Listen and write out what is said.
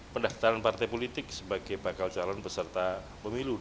pendaftaran partai politik sebagai bakal calon peserta pemilu dua ribu dua puluh